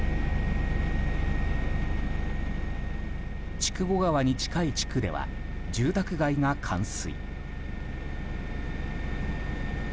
筑後川に近い地区では住宅街が冠水。